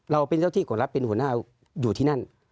เราเป็นเจ้าที่ของรัฐเป็นหัวหน้าอยู่ที่นั่น